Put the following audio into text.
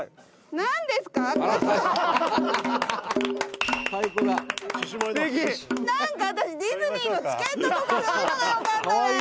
「なんか私ディズニーのチケットとかそういうのがよかったな」